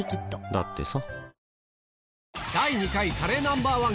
だってさ